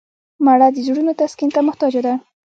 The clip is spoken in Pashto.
مړه د زړونو تسکین ته محتاجه ده